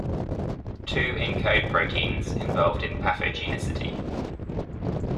Two encode proteins involved in pathogenicity.